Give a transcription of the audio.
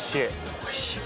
おいしい。